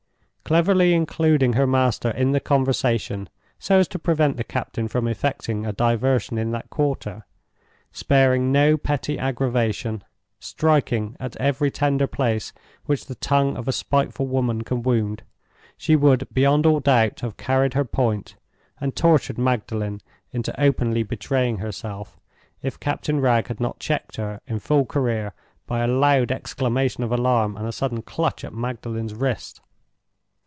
Cleverly including her master in the conversation, so as to prevent the captain from effecting a diversion in that quarter; sparing no petty aggravation; striking at every tender place which the tongue of a spiteful woman can wound, she would, beyond all doubt, have carried her point, and tortured Magdalen into openly betraying herself, if Captain Wragge had not checked her in full career by a loud exclamation of alarm, and a sudden clutch at Magdalen's wrist.